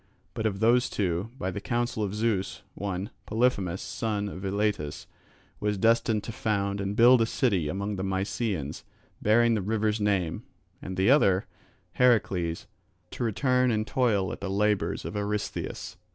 But of those two, by the counsel of Zeus, one, Polyphemus son of Eilatus, was destined to found and build a city among the Mysians bearing the river's name, and the other, Heracles, to return and toil at the labours of Eurystheus.